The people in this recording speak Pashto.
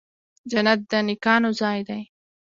جنت د نیکانو ځای دی